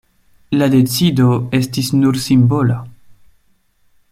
La decido estis nur simbola.